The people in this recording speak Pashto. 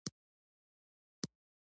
او ځمکې ته به یې کتل.